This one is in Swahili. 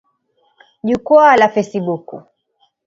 Jukwaa la fesibuku.